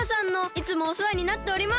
いつもおせわになっております。